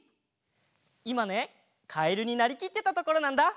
いまねかえるになりきってたところなんだ。